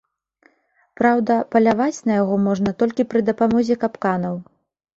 Праўда, паляваць на яго можна толькі пры дапамозе капканаў.